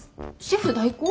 シェフ代行？